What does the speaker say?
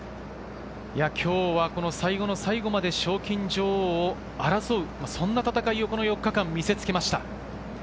今日は最後の最後まで賞金女王を争う戦いを４日間、見せつけました。